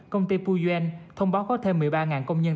công ty pujen thông báo có thêm một mươi ba công nhân